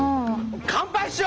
乾杯しよ！